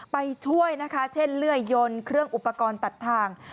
ไปช่วยนะคะเช่นเลื่อยยนต์เครื่องอุปกรณ์ตัดทาง